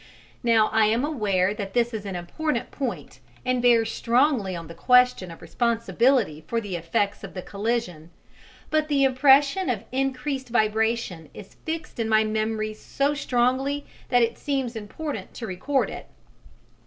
Now I am aware that this is an important point, and bears strongly on the question of responsibility for the effects of the collision; but the impression of increased vibration is fixed in my memory so strongly that it seems important to record it.